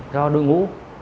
cho đội ngũ